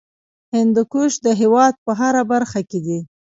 هندوکش د هېواد په هره برخه کې دی.